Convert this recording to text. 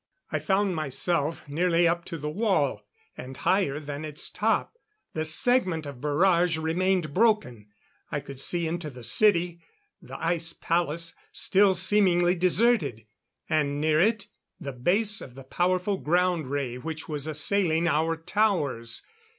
I found myself nearly up to the wall, and higher than its top. The segment of barrage remained broken. I could see into the city the Ice Palace, still seemingly deserted. And near it, the base of the powerful ground ray which was assailing our towers